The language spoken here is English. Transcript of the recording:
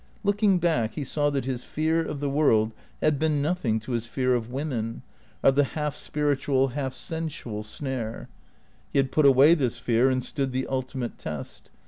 Looking back, he saw that his fear of the world had been nothing to his fear of women, of the half spiritual, half sensual snare. He had put away this fear, and stood the ultimate test.